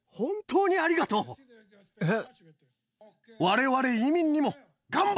えっ？